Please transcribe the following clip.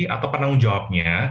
atau penanggung jawabnya